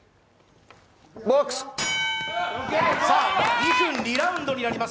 ２２ラウンドになります。